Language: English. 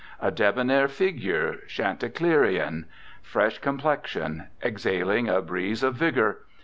A debonair figure, Chanticleerian. Fresh complexion. Exhaling a breeze of vigour.